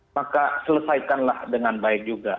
maka selesaikanlah dengan baik juga